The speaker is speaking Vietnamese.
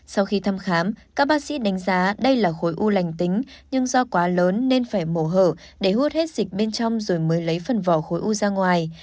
sau khi thăm khám các bác sĩ đánh giá đây là khối u lành tính nhưng do quá lớn nên phải mổ hở để hút hết dịch bên trong rồi mới lấy phần vỏ khối u ra ngoài